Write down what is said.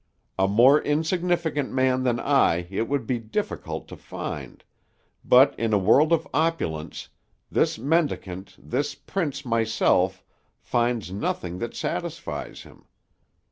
A more insignificant man than I it would be difficult to find; but in a world of opulence, this mendicant, this Prince Myself, finds nothing that satisfies him.